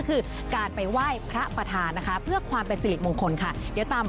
กล่ายมาขอพรได้เลยนะคะเอามาเลยจ้า